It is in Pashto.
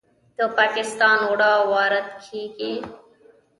د پاکستان اوړه وارد کیږي.